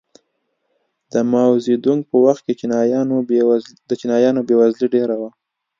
د ماوو زیدونګ په وخت کې د چینایانو بېوزلي ډېره وه.